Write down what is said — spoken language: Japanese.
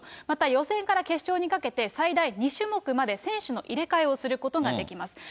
また予選から決勝にかけて最大２種目まで選手の入れ替えをすることができます。